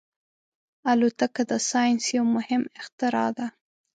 الوتکه د ساینس یو مهم اختراع ده.